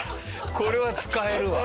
これは使えるわ。